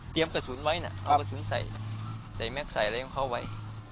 กระสุนไว้นะเอากระสุนใส่ใส่แม็กซใส่อะไรของเขาไว้